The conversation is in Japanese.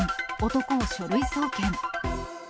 男を書類送検。